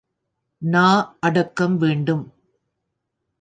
நா அடக்கம் வேண்டும்.